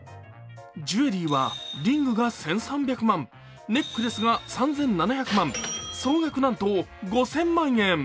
ジュエリーはリングが１３００万、ネックレスが３７００万、総額、なんと５０００万円。